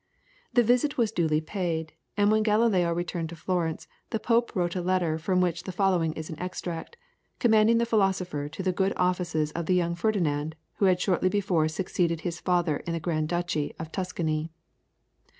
The visit was duly paid, and when Galileo returned to Florence, the Pope wrote a letter from which the following is an extract, commanding the philosopher to the good offices of the young Ferdinand, who had shortly before succeeded his father in the Grand Duchy of Tuscany.